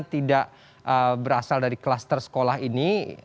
tidak berasal dari klaster sekolah ini